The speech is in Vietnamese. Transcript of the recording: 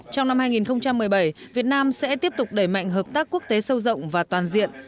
trong năm hai nghìn một mươi bảy việt nam sẽ tiếp tục đẩy mạnh hợp tác quốc tế sâu rộng và toàn diện